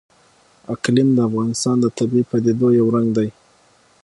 اقلیم د افغانستان د طبیعي پدیدو یو رنګ دی.